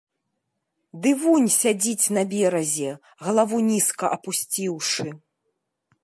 Ды вунь сядзіць на беразе, галаву нізка апусціўшы.